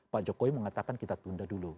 pak jokowi mengatakan kita tunda dulu